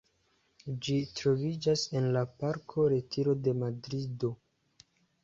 Ĝi troviĝas en la Parko Retiro de Madrido.